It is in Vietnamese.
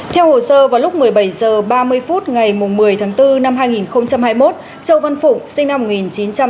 theo hồ sơ vào lúc một mươi bảy h ba mươi phút ngày một mươi tháng bốn năm hai nghìn hai mươi một châu văn phụng sinh năm một nghìn chín trăm tám mươi hai